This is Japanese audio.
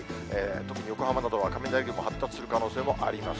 特に、横浜などは雷雲、発達する可能性もあります。